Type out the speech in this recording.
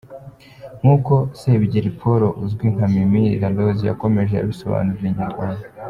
Nk’uko Sebigeri Paul uzwi nka Mimi La Rose yakomeje abisobanurira Inyarwanda.